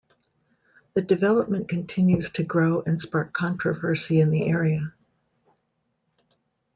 The development continues to grow and spark controversy in the area.